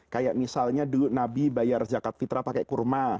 kayak misalnya dulu nabi bayar zakat fitrah pakai kurma